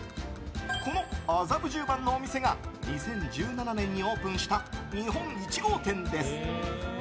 この麻布十番のお店が２０１７年にオープンした日本１号店です。